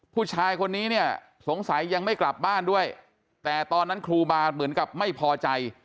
ผู้ชายคนนี้เนี่ยสงสัยยังไม่กลับบ้านด้วยแต่ตอนนั้นครูบาเหมือนกับไม่พอใจ